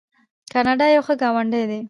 کاناډا یو ښه ګاونډی دی.